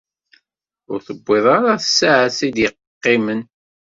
Ur tewwiḍ ara tsaɛet ay d-yeqqimen.